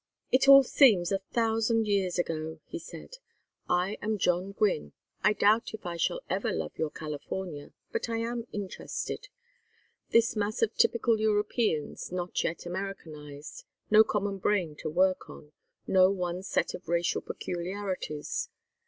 "It all seems a thousand years ago," he said. "I am John Gwynne. I doubt if I shall ever love your California, but I am interested this mass of typical Europeans not yet Americanized no common brain to work on, no one set of racial peculiarities.